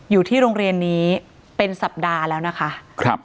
อยู่ที่โรงเรียนนี้เป็นสัปดาห์แล้วนะคะ